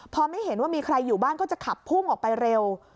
พอไม่เห็นว่ามีใครอยู่บ้านก็จะขับพุ่งออกไปเร็ว